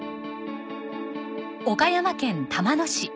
岡山県玉野市。